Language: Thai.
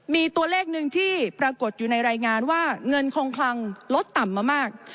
มีตัวเลขหนึ่งที่ปรากฏอยู่ในรายงานว่าเงินคงคลังลดต่ำมามาก